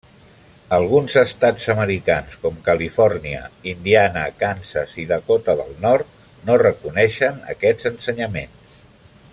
Alguns estats americans com Califòrnia, Indiana, Kansas i Dakota del Nord no reconeixen aquests ensenyaments.